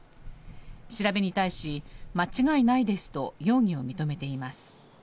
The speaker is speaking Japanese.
調べに対し、間違いないですと容疑を認めています。